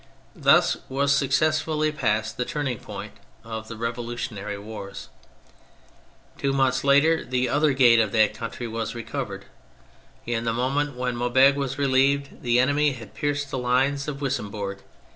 Thus was successfully passed the turning point of the revolutionary wars. Two months later the other gate of the country was recovered. In the moment when Maubeuge was relieved, the enemy had pierced the lines of Wissembourg.